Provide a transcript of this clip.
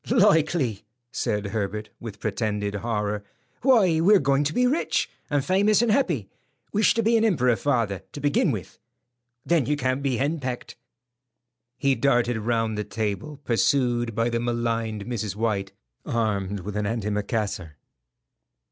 "Likely," said Herbert, with pretended horror. "Why, we're going to be rich, and famous and happy. Wish to be an emperor, father, to begin with; then you can't be henpecked." He darted round the table, pursued by the maligned Mrs. White armed with an antimacassar.